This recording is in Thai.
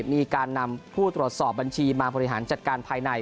มีการนำผู้ตรวจสอบบัญชีมาบริหารจัดการภายใน